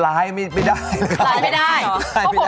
ร้ายไม่ได้เพราะผมร้ายกว่า